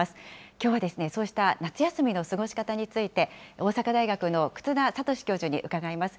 きょうはですね、そうした夏休みの過ごし方について、大阪大学の忽那賢志教授に伺います。